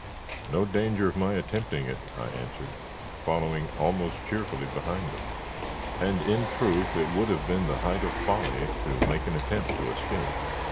"No danger of my attempting it," I answered, following almost cheerfully behind them. And in truth it would have been the height of folly to make an attempt to escape.